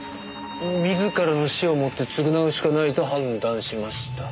「自らの死をもって償うしかないと判断しました」